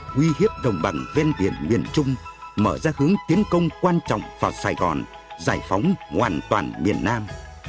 uy hiếp đồng bằng ven biển miền trung mở ra hướng tiến công quan trọng vào sài gòn giải phóng hoàn toàn miền nam